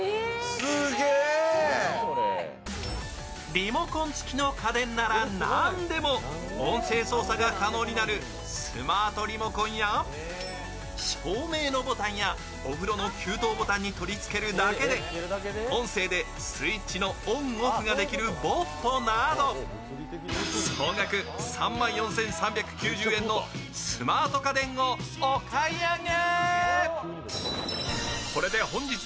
リモコンつきの家電なら何でも、音声操作が可能になるスマートリモコンや照明のボタンやお風呂の給湯ボタンに取り付けるだけで音声でスイッチのオン・オフができるｂｏｔなど総額３万４３９０円のスマート家電をお買い上げ。